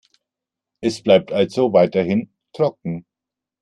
Es bleibt also weiterhin trocken.